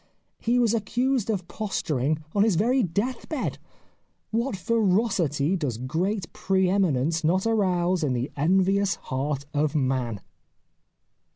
He was accused of posturing on his very death bed. What ferocity does great pre eminence not arouse in the envious heart of man